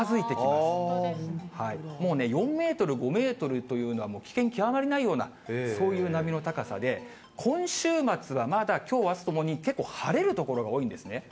もうね、４メートル、５メートルというのはもう、危険極まりないような、そういう波の高さで、今週末はまだきょう、あすともに結構晴れる所が多いんですね。